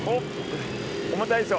重たいでしょ。